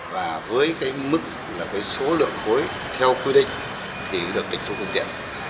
và với mức số lượng khối theo quy định thì được địch thu công trình